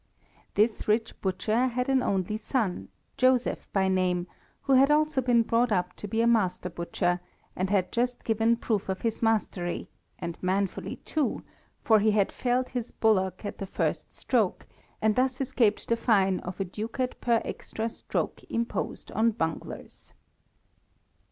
This rich butcher had an only son, Joseph by name, who had also been brought up to be a master butcher, and had just given proof of his mastery, and manfully too, for he had felled his bullock at the first stroke, and thus escaped the fine of a ducat per extra stroke imposed on bunglers.